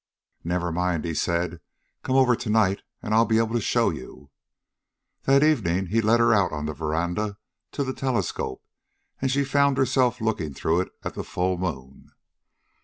"Never mind," he said. "Come over to night and I'll be able to show you." That evening he led her out on the veranda to the telescope, and she found herself looking through it at the full moon.